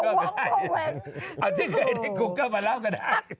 เอาที่เคยในกูเกอร์มาเล่าไม่ได้